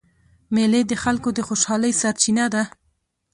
مېلې د خلکو د خوشحالۍ سرچینه ده.